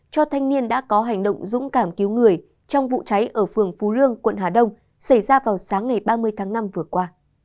cho thanh niên đã có hành động dũng cảm cứu người trong vụ cháy ở phường phú lương quận hà đông xảy ra vào sáng ngày ba mươi tháng năm vừa qua